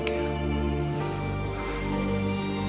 aku pergi dulu